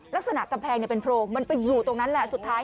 ลักษณะกำแพงเป็นโพรงมันอยู่สุดท้าย